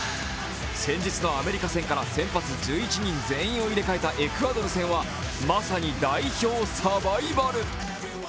先日のアメリカ戦から先発１１人全員を入れ替えたエクアドル戦はまさに代表サバイバル。